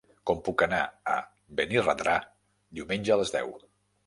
Com puc anar a Benirredrà diumenge a les deu?